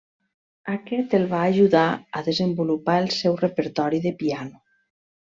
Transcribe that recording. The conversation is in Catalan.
Aquest el va ajudar a desenvolupar el seu repertori de piano.